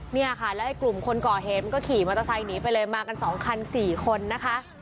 เนี่ยค่ะแล้วไอ้กลุ่มคนก่อเหตุมันก็ขี่มอเตอร์ไซค์หนีไปเลยมากัน๒คัน๔คนนะคะ